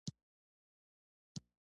پلاستيکي سامانونه معمولا ښايسته ښکاري.